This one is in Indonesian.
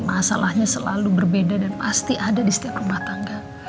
masalahnya selalu berbeda dan pasti ada di setiap rumah tangga